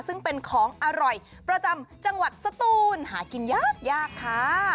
ซึ่งเป็นของอร่อยประจำจังหวัดสตูนหากินยากยากค่ะ